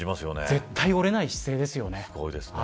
絶対、折れない姿勢ですよね。